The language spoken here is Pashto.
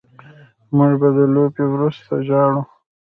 موږ به د لوبې وروسته ژاړو